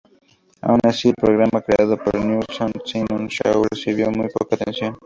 Aun así el programa creado por Newell, Simon y Shaw recibió muy poca atención.